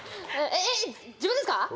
えっ自分ですか。